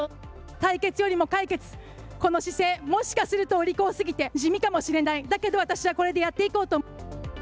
対決よりも解決、この姿勢、もしかするとお利口すぎて地味かもしれない、だけど私はこれでやっていこうと。